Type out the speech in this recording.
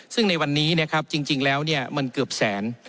ซึ่งในวันนี้จริงแล้วมันเกือบแสน